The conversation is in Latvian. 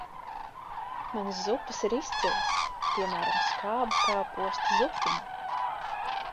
Manas zupas ir izcilas, piemēram, skābu kāpostu zupiņa.